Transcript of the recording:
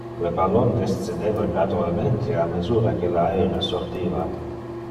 Le ballon descendeva gradualmente a mesura que le aere sortiva.